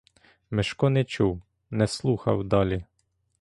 Мишко не чув, не слухав далі.